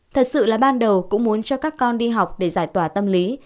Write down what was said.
thật sự là ban đầu cũng muốn cho các con đi học để giải tỏa tâm lý